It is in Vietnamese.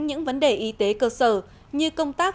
những vấn đề y tế cơ sở như công tác